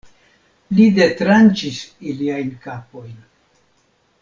Li detranĉis iliajn kapojn.